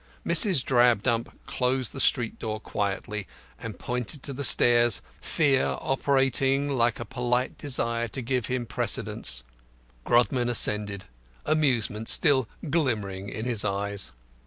Mrs. Drabdump closed the street door quietly, and pointed to the stairs, fear operating like a polite desire to give him precedence. Grodman ascended, amusement still glimmering in his eyes.